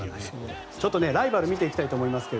ちょっとライバルを見ていきたいと思います。